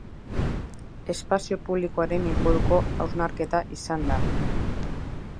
Espazio publikoaren inguruko hausnarketa izan da.